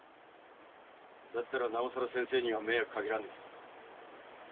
だったらなおさら先生には迷惑かけらんねえ。